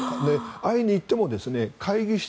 会いに行っても会議室。